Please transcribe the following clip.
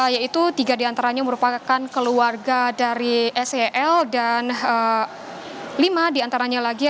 yaitu tiga di antaranya merupakan keluarga dari sel dan lima di antaranya lagi